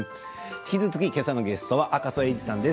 引き続き今朝のゲストは赤楚衛二さんです。